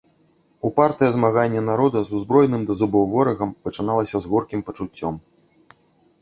Упартае змаганне народа з узброеным да зубоў ворагам пачыналася з горкім пачуццем.